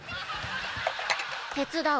手伝う。